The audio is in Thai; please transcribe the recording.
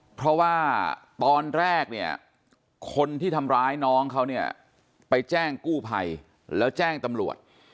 เพราะว่าตอนแรกเนี่ยคนที่ทำร้ายน้องเขาเนี่ยไปแจ้งกู้ภัยแล้วแจ้งตำรวจ